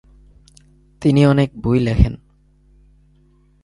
তিনি অনেক বই লেখেন।